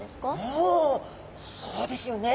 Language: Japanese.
おおそうですよね。